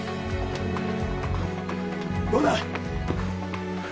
どうだ？